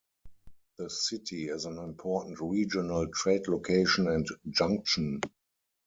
The city is an important regional trade location and junction.